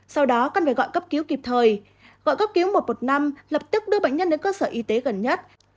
sau đó cần phải gọi cấp cứu kịp thời gọi cấp cứu một trăm một mươi năm lập tức đưa bệnh nhân đến cơ sở y tế gần nhất